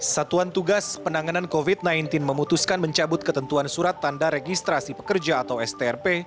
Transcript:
satuan tugas penanganan covid sembilan belas memutuskan mencabut ketentuan surat tanda registrasi pekerja atau strp